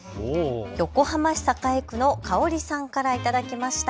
横浜市栄区のかをりさんから頂きました。